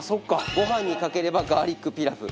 ご飯にかければガーリックピラフ。